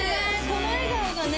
この笑顔がね